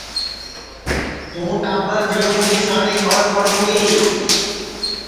توں ٹاٻر جیٹؔوں گی ساٹی کھٻر پڑوں گی